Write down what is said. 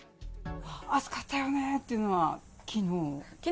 暑かったよねっていうのは、きのう。